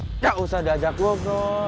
enggak usah diajak gue bro